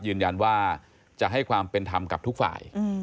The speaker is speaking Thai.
ยืนยันว่าจะให้ความเป็นธรรมกับทุกฝ่าย